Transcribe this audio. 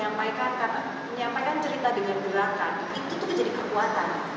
jadi memang kemampuan dia menyampaikan cerita dengan gerakan itu menjadi kekuatan